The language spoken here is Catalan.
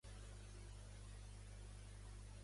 Quin crim havia comès Cet?